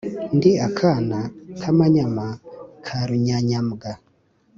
Ndi akana k’amanyama ka Runyanyaga